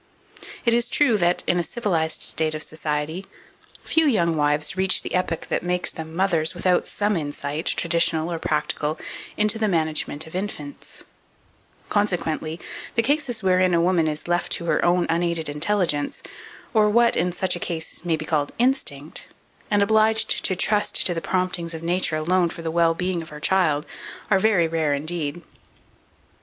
It is true that, in a civilized state of society, few young wives reach the epoch that makes them mothers without some insight, traditional or practical, into the management of infants: consequently, the cases wherein a woman is left to her own unaided intelligence, or what, in such a case, may be called instinct, and obliged to trust to the promptings of nature alone for the well being of her child, are very rare indeed.